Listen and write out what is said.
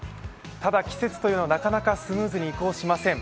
ただ、季節というのはなかなかスムーズに移行しません。